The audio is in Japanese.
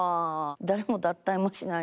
誰も脱退もしないし。